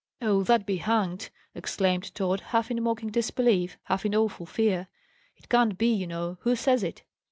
"Oh, that be hanged!" exclaimed Tod, half in mocking disbelief, half in awful fear. "It can't be, you know. Who says it?"